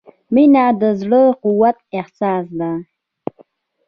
• مینه د زړۀ د قوت احساس دی.